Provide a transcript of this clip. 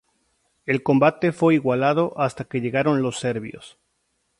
El combate fue igualado hasta que llegaron los serbios.